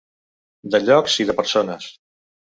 De llocs i de persones.